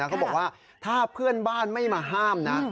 เขาบอกว่าถ้าเพื่อนบ้านไม่มาห้ามนะ